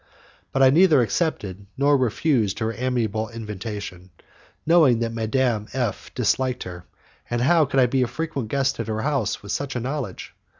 But I neither accepted nor refused her amiable invitation, knowing that Madame F disliked her; and how could I be a frequent guest at her house with such a knowledge!